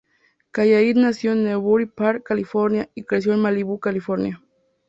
Caillat nació en Newbury Park, California, y creció en Malibú, California.